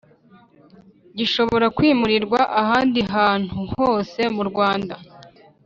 Gishobora kwimurirwa ahandi hantu hose mu Rwanda